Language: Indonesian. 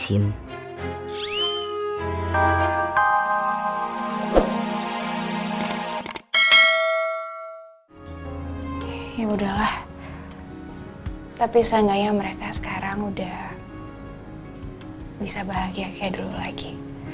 ya udahlah tapi sayangnya mereka sekarang udah bisa bahagia kayak dulu lagi